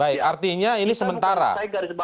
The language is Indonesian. ini artinya pak sarpani